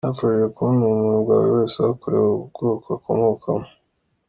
Byamfashije kubona ubumuntu bwa buri wese aho kureba ubwoko akomokamo.